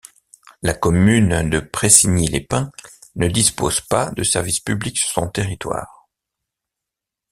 La commune de Pressigny-les-Pins ne dispose pas de services publics sur son territoire.